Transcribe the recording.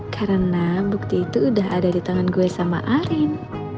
karena bukti itu udah ada di tangan gue sama arim